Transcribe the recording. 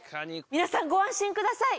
皆さんご安心ください